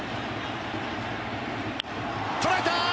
捉えたー！